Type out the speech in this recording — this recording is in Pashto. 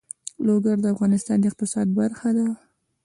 لوگر د افغانستان د اقتصاد برخه ده.